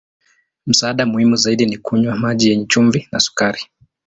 Msaada muhimu zaidi ni kunywa maji yenye chumvi na sukari.